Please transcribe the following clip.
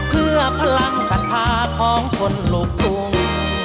เพื่อพลังสันธาท้องคนลูกกรุง